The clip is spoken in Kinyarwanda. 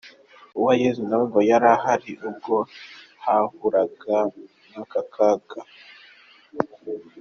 Uwayezu na we ngo yari ahari ubwo bahuraga n’aka kaga.